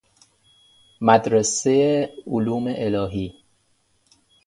مدرسه علوم الهی